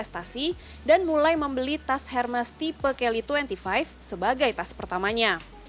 tas hermes tipe kelly dua puluh lima sebagai tas pertamanya